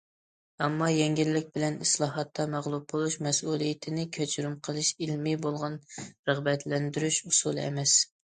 ئەمما، يەڭگىللىك بىلەن ئىسلاھاتتا مەغلۇپ بولۇش مەسئۇلىيىتىنى كەچۈرۈم قىلىش ئىلمىي بولغان رىغبەتلەندۈرۈش ئۇسۇلى ئەمەس.